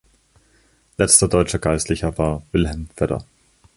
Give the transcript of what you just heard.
Letzter deutscher Geistlicher war "Wilhelm Vedder".